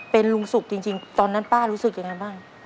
เป็นลุงสุกจริงตอนนั้นป้ารู้สึกยังไงบ้าง